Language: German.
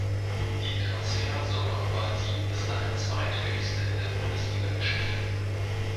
Die Transfersumme war die bis dahin zweithöchste in der Bundesligageschichte.